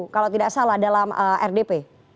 kalau tidak salah dalam rdp